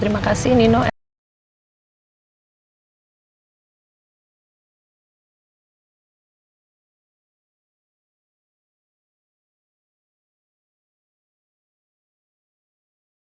terima kasih untuk partisipasi sebuah keluarga